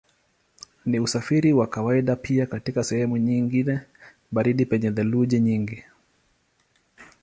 Ni usafiri wa kawaida pia katika sehemu nyingine baridi penye theluji nyingi.